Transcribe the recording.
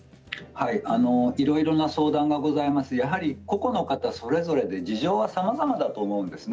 いろいろな相談がございます、個々の方それぞれで事情さまざまだと思うんですね。。